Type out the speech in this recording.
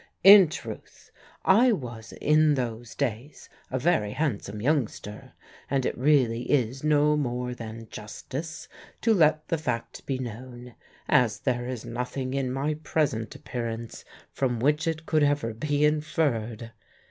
In truth, I was in those days a very handsome youngster, and it really is no more than justice to let the fact be known, as there is nothing in my present appearance from which it could ever be inferred.